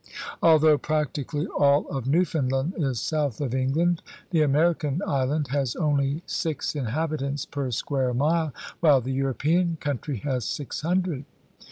Although practically all of Newfoundland is south of England, the American island has only six inhabitants per square mile, while the European country has six hundred.